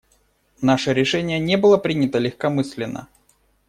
Наше решение не было принято легкомысленно.